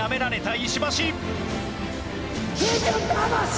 石橋